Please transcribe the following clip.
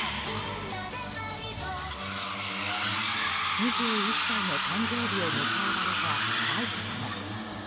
２１歳の誕生日を迎えられた愛子さま。